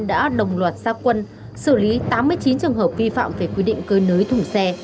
đã đồng luật xác quân xử lý tám mươi chín trường hợp vi phạm về quy định cơi nơi thùng xe